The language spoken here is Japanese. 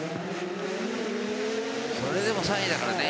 それでも３位だからね。